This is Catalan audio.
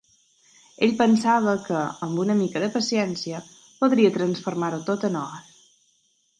Ell pensava que, amb una mica de paciència, podria transformar-ho tot en or.